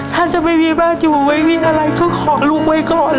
ถ้าจะไม่มีบ้านอยู่ไม่มีอะไรก็ขอลูกไว้ก่อน